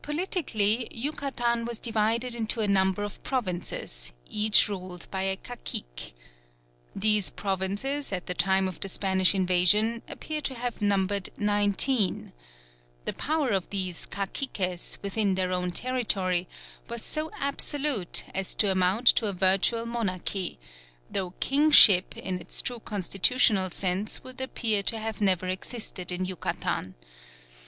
Politically Yucatan was divided into a number of provinces, each ruled by a cacique. These provinces at the time of the Spanish invasion appear to have numbered nineteen. The power of these caciques within their own territory was so absolute as to amount to a virtual monarchy; though kingship in its true constitutional sense would appear to have never existed in Yucatan.